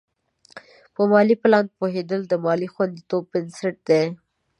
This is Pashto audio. په مالي پلان پوهېدل د مالي خوندیتوب بنسټ دی.